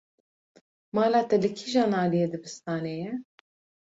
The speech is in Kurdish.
Mala te li kîjan aliyê dibistanê ye?